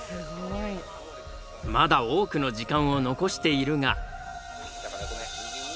まだ多くの時間を残しているが。